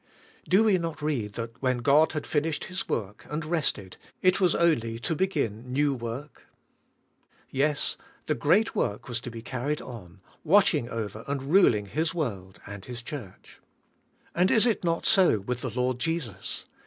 Do we not read that when God had finished His work, and rested, it was only to be 154 TRIUMPH OF FAITH gin new work? Yes; the great work was to be carried on — watching over and ruling Flis world and His church. And is it not so with the Lord Jesus?